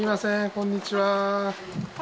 こんにちは。